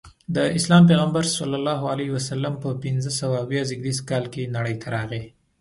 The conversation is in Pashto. د اسلام پیغمبر ص په پنځه سوه اویا زیږدیز کې نړۍ ته راغی.